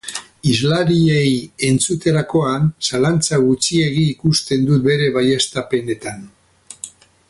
Hizlariei entzuterakoan zalantza gutxiegi ikusten dut bere baieztapenetan.